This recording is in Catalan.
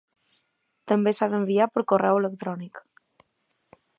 També s'ha d'enviar per correu electrònic.